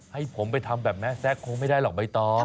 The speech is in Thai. ให้ผมไปทำแบบแม่แซคคงไม่ได้หรอกใบตอง